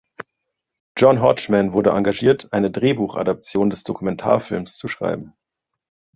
John Hodgman wurde engagiert, eine Drehbuchadaption des Dokumentarfilms zu schreiben.